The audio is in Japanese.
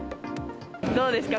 どうですか？